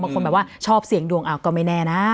บางคนแบบว่าชอบเสี่ยงดวงก็ไม่แน่นะ